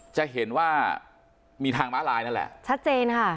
จะเห็นว่ามีทางม้าลายนั่นแหละชัดเจนค่ะ